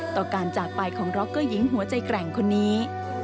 ต่อการจากไปของร็อกเกอร์หญิงหัวใจแกร่งคนนี้